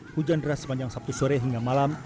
hujan deras sepanjang sabtu sore hingga malam